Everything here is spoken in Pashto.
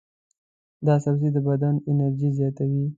دا سبزی د بدن انرژي زیاتوي.